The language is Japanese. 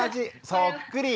そっくり。